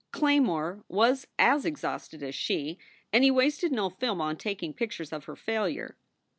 Claymore was as exhausted as she and he wasted no film on taking pictures of her failure.